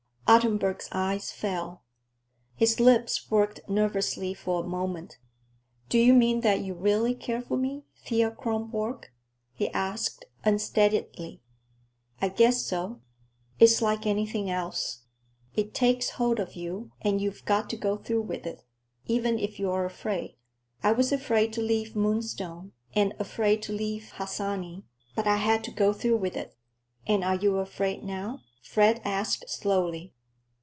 Ottenburg's eyes fell. His lips worked nervously for a moment. "Do you mean that you really care for me, Thea Kronborg?" he asked unsteadily. "I guess so. It's like anything else. It takes hold of you and you've got to go through with it, even if you're afraid. I was afraid to leave Moonstone, and afraid to leave Harsanyi. But I had to go through with it." "And are you afraid now?" Fred asked slowly.